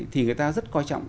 thì người ta rất quan trọng